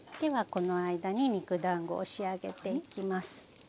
この間に肉だんごを仕上げていきます。